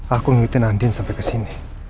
aku ngikutin andin sampai kesini